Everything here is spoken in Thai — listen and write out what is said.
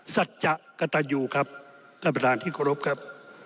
สัจจะกระตันยูครับท่านประธานที่เคารพครับ